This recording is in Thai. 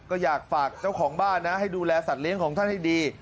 ก็อยากฝากเจ้าของบ้านนะให้ดูแลสัตว์เลี้ยงของท่านให้ดี